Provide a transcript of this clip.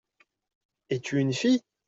Es-tu une fille ?